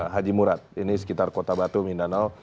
haji murad ini sekitar kota batu mindanao